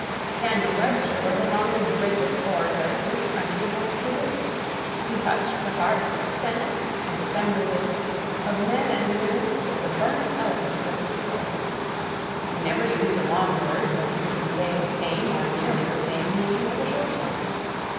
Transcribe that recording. Daniel Webster was among the greatest orators this country has produced. He touched the hearts of senates and assemblages, of men and women with the burning eloquence of his words. He never used a long word when he could convey the same, or nearly the same, meaning with a short one.